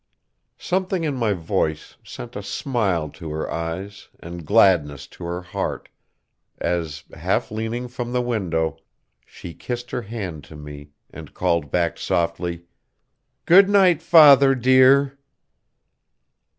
Something in my voice sent a smile to her eyes and gladness to her heart, as, half leaning from the window, she kissed her hand to me and called back softly: "Good night, father dear!"